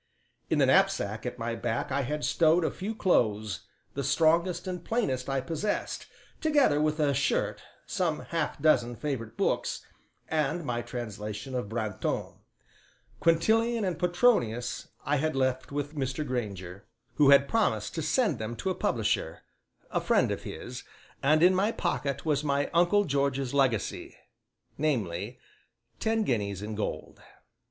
In the knapsack at my back I had stowed a few clothes, the strongest and plainest I possessed, together with a shirt, some half dozen favorite books, and my translation of Brantome; Quintilian and Petronius I had left with Mr. Grainger, who had promised to send them to a publisher, a friend of his, and in my pocket was my uncle George's legacy, namely, ten guineas in gold.